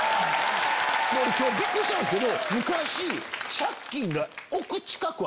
今日びっくりしたんすけど。